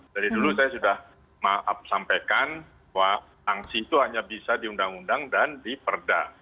dari dulu saya sudah sampaikan bahwa transisi itu hanya bisa diundang undang dan diperda